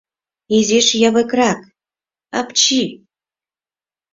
Изиш явыкрак... апчи!..